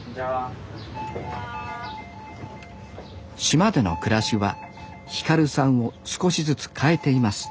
島での暮らしは輝さんを少しずつ変えています